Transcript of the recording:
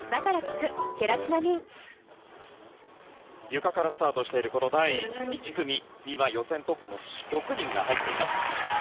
ゆかからスタートしているこの第１組には予選トップの６人が入っています。